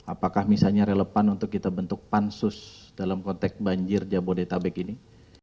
apakah misalnya relevan untuk kita bentuk pansus dalam konteks banjir jabodetabek ini